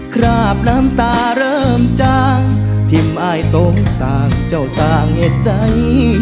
คราบน้ำตาเริ่มจางทิ้งอ้ายต้มสางเจ้าสางเอ็ดใด